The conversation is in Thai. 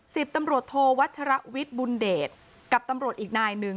สิบตำรวจโทวัชรวิทย์บุญเดชกับตำรวจอีกนายหนึ่ง